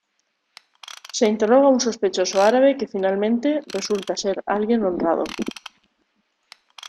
Se interroga a un sospechoso árabe que finalmente resulta ser alguien honrado.